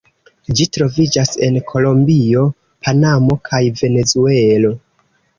Ĝi troviĝas en Kolombio, Panamo kaj Venezuelo.